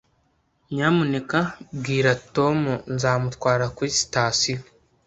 Nyamuneka bwira Tom nzamutwara kuri sitasiyo